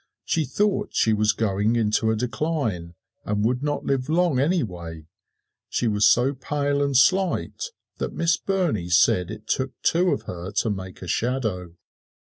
She thought she was going into a decline, and would not live long anyway she was so pale and slight that Miss Burney said it took two of her to make a shadow.